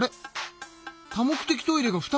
多目的トイレが２つある。